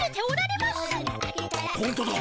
ほんとだ。